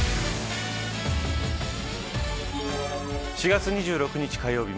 ４月２６日火曜日